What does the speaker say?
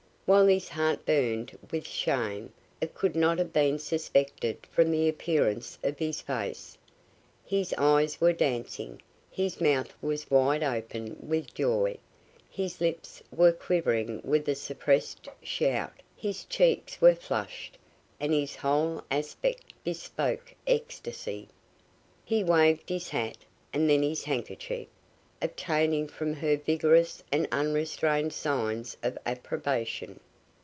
While his heart burned with shame, it could not have been suspected from the appearance of his face. His eyes were dancing, his mouth was wide open with joy, his lips were quivering with a suppressed shout, his cheeks were flushed and his whole aspect bespoke ecstacy. He waved his hat and then his handkerchief, obtaining from her vigorous and unrestrained signs of approbation.